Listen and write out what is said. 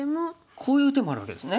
こういう手もあるわけですね。